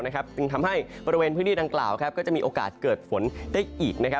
จึงทำให้บริเวณพื้นที่ดังกล่าวก็จะมีโอกาสเกิดฝนได้อีก